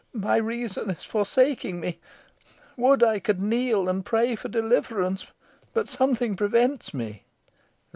"My reason is forsaking me. Would I could kneel and pray for deliverance! But something prevents me."